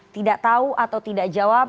tidak tahu atau tidak jawab